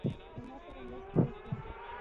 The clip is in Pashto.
له ماسره مرسته وکړه.